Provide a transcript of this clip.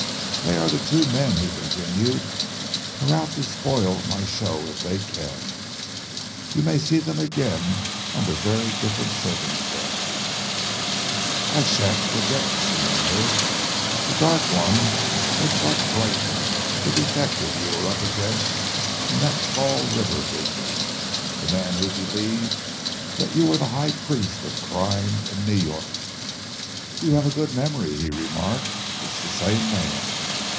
"They are the two men," he continued, "who are out to spoil my show if they can. You may see them again under very different circumstances." "I shan't forget," she murmured. "The dark one looks like Brightman, the detective you were up against in that Fall River business the man who believed that you were the High Priest of crime in New York." "You have a good memory," he remarked. "It is the same man."